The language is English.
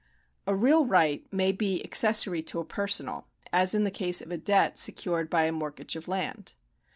A real right may be accessory to a personal ; as in the case oE a debt secured by a mortgage of land.